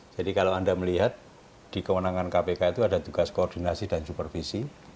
jadi kalau anda melihat di kewenangan kpk itu ada tugas koordinasi dan supervisi